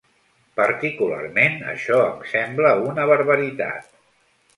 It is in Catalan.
Particularment, això em sembla una barbaritat.